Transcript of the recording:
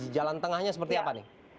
jalan tengahnya seperti apa nih